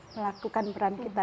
melakukan peran kita